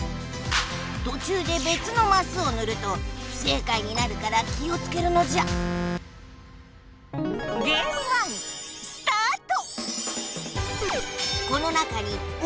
途中でべつのマスをぬると不正解になるから気をつけるのじゃスタート！